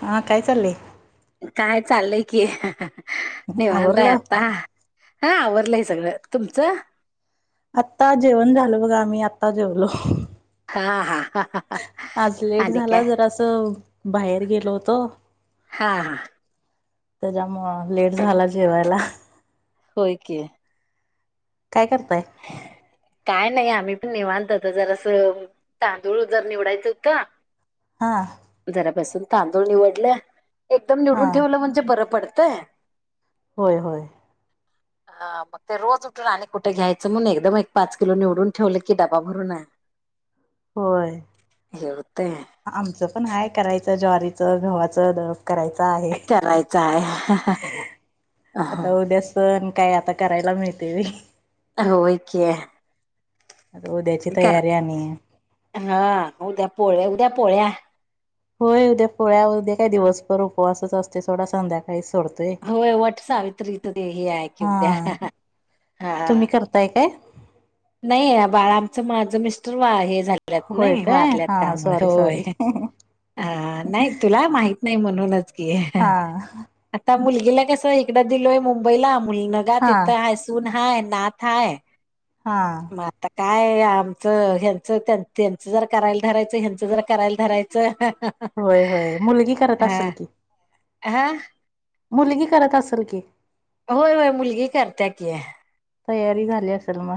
हा काय चाललंय काय चाललंय की निवांताय आवरलं आता हा आवरलंय सगळ. सगळं. तुमचं? आत्ता जेवण झाल बघा. आम्ही आत्ता जेवलो. हा हा. आज लेट आणि काय झाला जरा असं. बाहेर गेलो होतो. हा. हा. त्याच्यामुळ लेट झाला जेवायला होय की काय कर काय नाही आम्ही निवांता आता जरास तांदूळ जरा निवडायचं होत. हा जरा बसून तांदूळ निवडलं एकदम हा निवडून ठेवलं म्हणजे बर पडतंय होय होय अ मग ते रोज उठून आणि कुठे घ्यायचं म्हणून एकदम एक पाच किलो निवडून ठेवल की डबा भरून [inaudible] होय हे होतंय आमचं पण आहे करायचं ज्वारीचं घव्हाचं दळप करायचा आहे. करायचं आहे आता अहं. उद्या सण काय आता करायला मिळतय व्हय. होय की आता उद्याची कर तयारी आणि हा उद्या पोळ्या उद्या पोळ्या होय उद्या पोळ्या उद्या काय दिवसभर उपवासच असतोय सोडा संध्याकाळीचं होय वटसावित्रीत ते हाय की हा उद्या तुम्ही हा. करताय काय? नाही हे बाळा आमचं माझं मिस्टर वा हे झाल्यात होय नाय काय वारल्यात हा त्यामुळ सॉरी होय सॉरी अ नाही तुला माहित नाय म्हणूनच की हा आता मुल तिला कस हीकड दिलोय मुंबईला मुलगा हा तिथं हाय सून हाय नात हाय हा मग आता काय आमचं ह्याच त्या त्यांचं जर करायला धरायचं हयाचं जर करायला धरायचं होय होय मुलगी करत आसल हा की? हा मुलगी करत आसल की? होय होय मुलगी करत्या की, तयारी झाली असेल म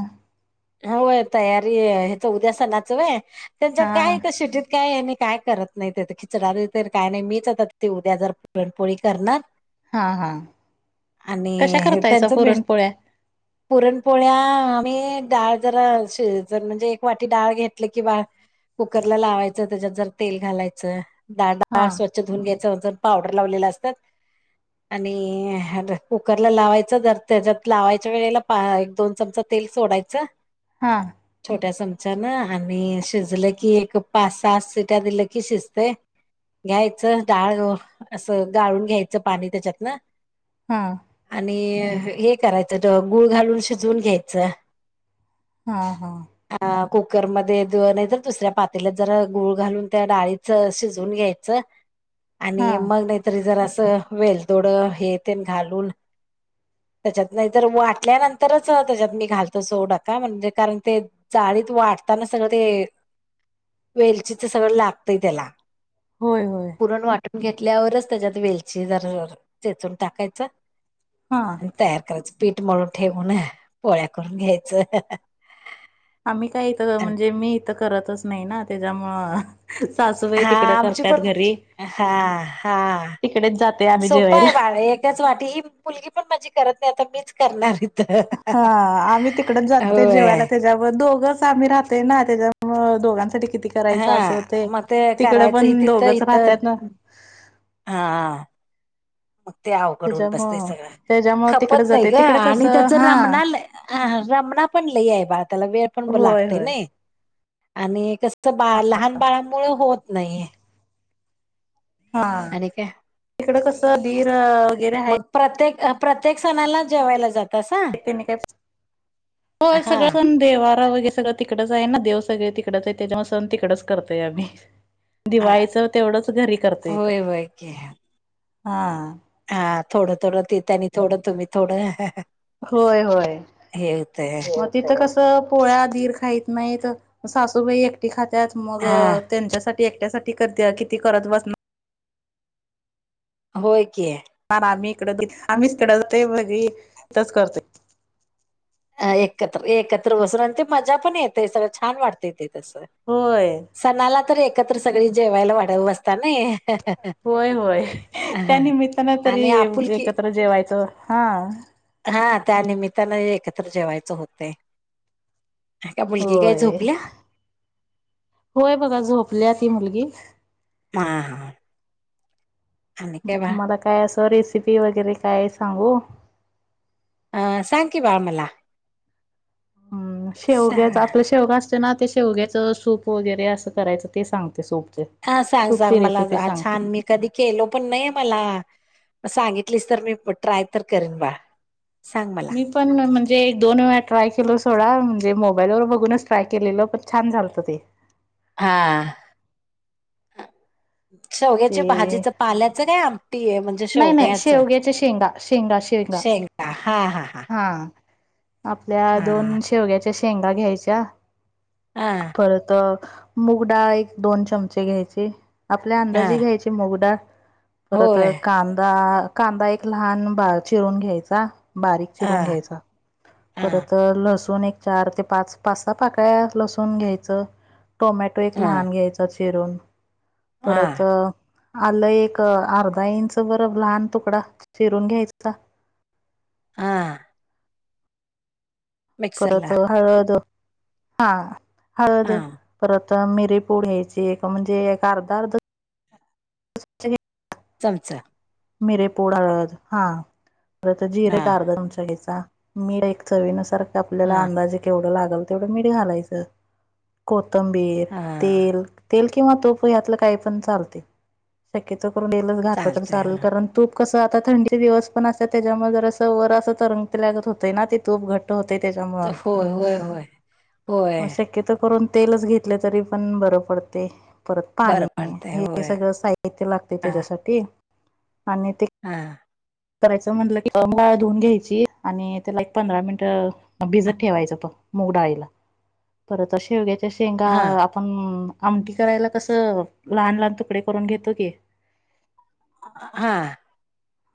होय तयारी हेच उद्या सणाचं व्हय त्यांच्यात हा काय त्या शीटीत काय हे नाही. काय करत नाही ते ते खिचडा बी तर काय नाही मीच आता ते उद्या जर पुरणपोळी करणार हा हा कशा आणि करतायचा त्यांच मिस्ट पुरणपोळ्या पुरणपोळ्या आम्ही डाळ जरा शिजन म्हणजे एक वाटी डाळ घेतल कि बाळ कुकरला लावायचं तेज्यात जरा तेल घालायचं डाळ हा डाळ स्वच्छ धुवून घेत त्या जर पावडर लावलेले असत्यात आणि कुकरला लावायच जर तेज्यात लावायच्या वेळेला पा एक दोन चमचा तेल सोडाय हा छोट्या चमच्यान आणि शिजलं की एक पा सहा सिट्या दिल की शिजतय घ्यायचं डाळ असं गाळून घ्यायचं पाणी तेच्यातन हा आणि हे करायचं त गुळ घालून शिजवून घ्यायचं. हा, हा अ कुकरमध्ये धु नाही तर दुसऱ्या पातेल्यात जरा गूळ घालून त्या डाळीच शिजवून घ्यायचं हा आणि मग नाहीतरी जरासं वेलदोडं हे तेन घालून त्याच्यात नाहीतर वाटल्यानंतरच त्याच्यात मी घालतो सोड का म्हणजे कारण ते जाळीत वाटताना सगळं ते वेलचीच सगळं लागतंय त्याला. होय होय. पुरण वाटून घेतल्यावरच तेज्यात वेलची जरा चेचून टाकायचं. हा आण तयार करायचं पीठ मळून ठेवून पोळ्या करून घ्यायचं. [unintelligible] आम्ही काय इथ म्हणजे मी इथं करतच नाही ना तेच्यामुळं हा आमची पण हा हा तिकडेच जाते आम्ही सोप जेवायला आहे बाळ एकच वाटी ही मुलगी पण माझी करत नाही आता मीच करणार. हा आम्ही तिकडच जातोय होय जेवायला तेज्याभर दोघच आम्ही राहतोय ना त्याच्यामूळ दोघांसाठी किती करायच हा असं होतय मग ते तिकड पण दोघच राहत्यात न हां मग ते अवघड होऊन बसतय त्याच्यामुळं सगळं त्याच्यामुळं तिकडं खपत नाही जातोय ग तिकडं आणि कसं त्याच हां रामणाल हा, हा रमणा पण लई आहे बा त्याला वेळ पण होय, लागतय नई [unintelligible] आणि कस बाळ लहान बाळामुळ होत नाही आहे. हा तिकड कस दीर अं मग प्रत्येक प्रत्येक सणाला जेवायला जात [unintelligible] पा हा हा. वगैर सगळं तिकडच आहे ना देव सगळेे तिकडच आहेत त्याच्यामुळे सण तिकडच करतय आम्ही आ, दिवाळीचं तेवढंच घरी करतोय इथं होय होय की हा हा थोडं थोडं तेेत आणि थोडं तुम्ही थोडं होय होय हे होतय मग तिथं कस अं पोळ्या धीर खाईत नाहीत, सासूबाई एकटी खात्यात मग हा त्यांच्यासाठी ते एकट्यासाठी करत्या किती करत बसणा होय की बा आम्ही इकड दीर आम्हीच तिकड जातोय मग धी इथंच करतोय. अ एकत्र एकत्र बसून आणि ते मजा पण येते सगळं छान वाटतय ते कसं होय सणाला तर एकत्र सगळी जेवायला वाढवं अस होय होय त्या ह निमित्तानं तरी आणि आपुलकी एकत्र जेवायचं हां हा त्यानमित्तानं एकत्र जेवायचं होतय. होय-होय बघा झोपल्या ती मुलगी. हा. हा. आणि मग काय बाळ तुम्हाला काय असं रेसिपी वगैरे काय सांगू. अह सांग की बाळ मला. हम् सांग शेवग्याच आपलं शेवगा असतोय ना ते शेवग्याचं सूप वगैरे असं करायचं ते सांगते सूप हा सांग-सांग मला छान मी कधी केलो पण नाही मला सांगितलीस तर मी ट्राय तर करीन बाळ. सांग मला मी पण म्हणजे एक-दोन वेळा ट्राय केलो सोडा. म्हणजे मो मोबाईलवर बघूनच ट्राय केलेलो पण छान झालतं ते. हा. शेवग्याच्या ते भाजीच, पाल्याचं, काय आमटी आहे म्हणजे. नाही नाही शेवगयाच शेवग्याच्या शेंगा शेंगा शेंगा शेगा. हा आपल्या दोन हा शेवग्याच्या शेंगा घ्यायच्या. हा परत मुगडाळ एक दोन चमचे घ्यायची. आपल्या हा अंदाजी घ्यायची मुगडाळ परत होय कांदा कांदा एक लहान बा चिरून घ्यायचा, बारीक हा चिरून घ्यायच. हा परत लसुण, एक चार ते पाच पाच पाकळ्या लसून घ्यायच, टोमॅटो एक हा लहान घ्यायच. चिरून, हा आलं एक अर्धा इंच बर, लहान तुकडा शिरून घ्यायचा. हा, परत मिक्सरला हळद हा हळद हा परत, तर मिरचीपूड या्यायची एक म्हणजे एक अर्ध अर्ध, चमचा, मिरीपूड हळद हा तर जिरे हा का अर्ध तुमच्या घयाचं. मीठ एक चवीनुसारख हा आपल्याला अंदाजे केवढं लागल. तेवढं मीठ घालायचं कोथंबीर, हा तेल तेल किंवा तोप यातलं काही पण चालते शक्यत करून तेल च घातलं तर चालतय चाल, हा तूप कसं आता थंडीचे दिवस पण असत, त्याच्यामुळे जर अस वर असं तरंगते लागत होते ना ते तूप घट होत. त्याच्यामुळे होय होय होय होय म शक्यत करून. तेलच घेतले तरी पण बरं पडते. परत बरं पाणी पडतंय हे होय सगळं साहित्य लागते हा त्याच्यासाठी, आणि ते, हा करायचं म्हटलं की गळ [unintelligible] धुवून घ्यायची आणि त्याला एक पंधरा मिनिट भिजत ठेवायचं. मुगडाईला परत शेवग्याच्या शेंगा हा आपण आमटी करायला, कसं लहान लहान तुकडे करून घेतो की, हा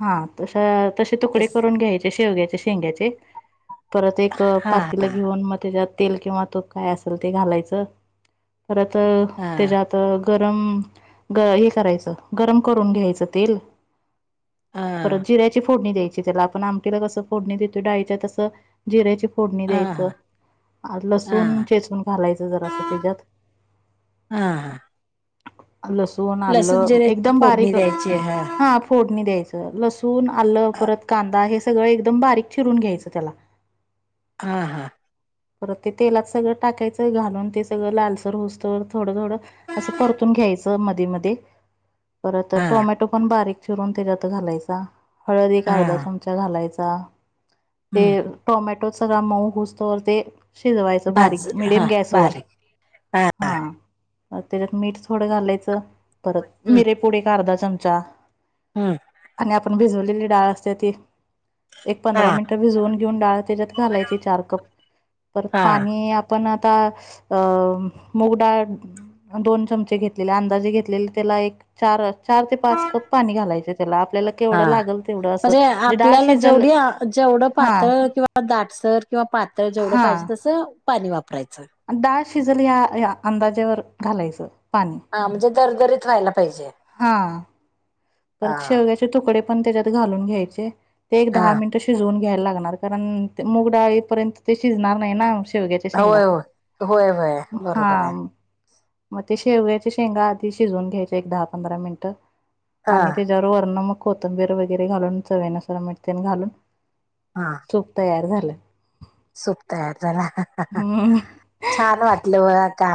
हा तस तशे तुकडे तस करून घ्यायचे, शेवग्याचे शेंग्याचे परत एक हा पातीला घेऊन, मग त्याच्यात तेल किंवा तूप काय असेल ते घालायचं. परत हा त्याच्यात गरम हे करायचं गरम करून घ्यायचं तेल हा परत जिऱ्याची फोडणी द्यायची, त्याला आपण आमटीला कसं फोडणी देतो डाळीच्या तसं जिऱ्याची, फोडणी हा हा द्यायचं, हा लसूण हा चेचवून घालायचं जर असं तेज्यात हा हा लसूण आलं जिऱ्याची एकदम फोडणी बारीक, द्यायची हा फोडणी द्यायचं लसू ून आलं परत कांदा हे सगळं एकदम बारीक चिरून घ्यायचं त्याला, हा हा, परत तेलात सगळं टाकायचं घालून, ते सगळं लालसर होऊस्तवर थोडं थोडं असं परतून घ्यायच मधे मधे, परत तर हा टोमॅटो पण बारीक चिरून त्याच्यात घालायचा, हळद एक हा अर्धा चमचा घालायच, [unintelligible] ते हम्म टोमॅटो सगळा मऊ होऊस्तवर ते, शिजवायचं भाज बारीक हा मिडियम गॅसवर बारीक हा त्याच्यात मीठ थोडं घालायचं, परत हम्म मिरेपुड एक अर्धा चमचा हम्म आणि आपन एक हा पंधरा मिनिटं भिजवून घेऊन, डाळ त्याच्यात घालायची चार कप पर हा पाणी आपण आता अं मुगडाळ, दोन चमचे घेतलेले अंदाजे घेतलेले, त्याला एक चार चार ते पाच कप पाणी घा घालयच त्याला आपल्याला केवढं हा लागल म्हणजे आपल्याला जेवढी जेवढं पातळ किंवा दाटसर किंवा पातळ जेवढं हा पाहिजे, तसं पाणी वापरायचं. डाळ शिजल या अंदाजावर घालायचं. पाणी हा म्हणजे दरदरीत व्हायला पाहिजे. हा, हा परत शेवग्याचे तुकडे पण त्याच्यात घालून घ्यायचे, ते एक हा दहा मिनिट शिजवून घ्यायला लागणार कारण, मुगडाळीपर्यंत ते शिजणार नाही ना! शेवग्याच्या शेंगा होय होय होय होय बरोबर हा आहे मग ते शेव्याच्या शेंगा, आधी शिजवून घ्यायच्या एक दहा-पंधरा मिनिटं. हा आणि त्याच्यावर वर्ण मग कोथंबीर वगैरे घालून चवीनुसार मीठ तेन घालून. हा सूप तयार झालं. सूप तयार झाल. हम्म छान वाटलं बघ आता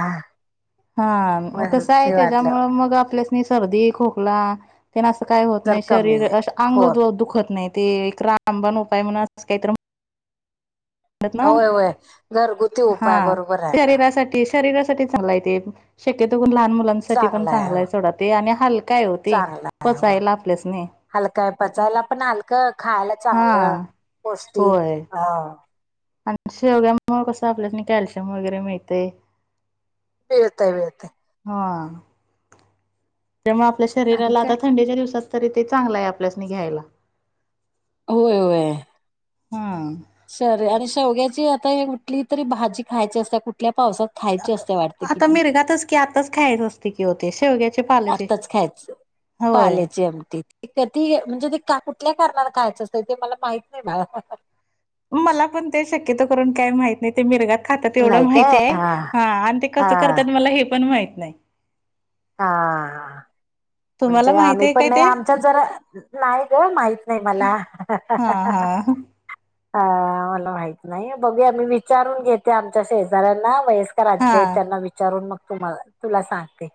हा कस आहे त्याच्यामुळ मग आपल्यासनी सर्दी. खोकला. त्यांना असं काय होत जर नाही. कमी शरीर, आहे असं हो अंग दुखत नाहीत. ते एक रामबण उपाय म्हणून असंच काहीतर म्ह [unintelligible] होय होय घरगुती उपाय बरोबर आहे शरीरासाठीच चागलं आहे ते शक्यतो लहान मुलांसाठी पण चांगला आहे सोडा ते आणि हलकाय ओ ते चांगला आहे हो पचायला आपल्यासनी हलका आहे पचायला पण हलकं खायला हा चांगलं पौष्टिक होय अ आणि शेवग्यामुळे कसं आपल्यासनी कॅल्शियम वगैरे मिळतय. मिळतय मिळतय हां त्यामुळ आपल्या आणि शरीराला काय आता थंडीच्या दिवसात तरी ते चांगलं आहे आपल्यासनी घ्यायला. होय होय हम्म सॉरी आणि शेवग्याची आता हे कुठली तरी भाजी खायची असत्या कुठल्या पावसात खायची असते वाटते आता किती मिरगातच की आताच खायाच असतय की ओ ते शेवग्या आत्ताच खायाचं पाल्याची आमटी कधी म्हणजे ते का कुठल्या कारणाला खायाचं असतय ते मला माहित नाही बाळ मला पण ते शक्यतो करून काय माहित नाही ते मिरगात खातात तेवढं नाही माहित काय आहे हा आणि ते हा कसं करतात मला हे पण माहित नाही. हा तुम्हाला म्हणजे माहित आम्ही आहे काय पण नाही ते आमच्यात जरा नाही ग माहित नाही मला हा [inaudible] अ मला माहित नाही बघु मी विचारून घेते आमच्या शेजाऱ्यांना कराचे आहेत हा त्यांना विचारून मग तुम्हाला, तुला सांगते.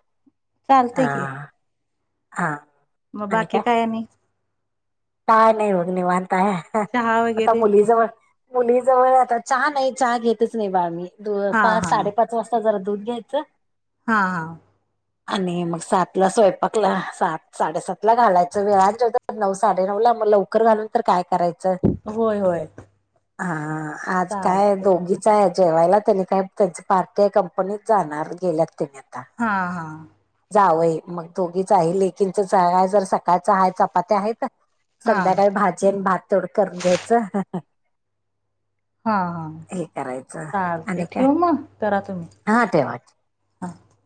चालतंय हा की हा. मग बाकी काय आणि? काय नाही बघ निवांत हाय, चहा आता वगैरे मुलीजवळ मुली जवळ आता, चहा नाही चहा घेतच नाही बाळ मी, दो हा पाच हा साडेपाच वाजता जरा दुध घ्यायचं हा हा. आणि मग सात ला स्वयंपाकला, सात साडेसात ला घालायचं, वेळानं जेवत्यात नऊ नऊ साडे साडे नऊ ला मग लवकर घालुन तरी काय करायचं. होय होय. हा हा आज काय चालते दोघीच हाय जेवायला. त्यांनी काय त्यांचे पार्टी हाय कंपनीत जाणार गेल्यात हा हा. जावंई मग दोघीच आहे लेकीनचच आहे. जरा सकाळच हाय, चपात्या हायीत हा हा संध्याकाळी भाजी आणि भात थोड तेवढं करून घ्यायचं. ह [inaudible] हा हा. हे करायचं आणि चालतय काय ठेवु मग. करा तुम्ही. हा ठेवा आत